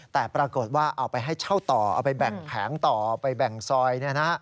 แต่ปรากฏว่าเอาไปให้เช่าต่อเอาไปแบ่งแผงต่อไปแบ่งซอย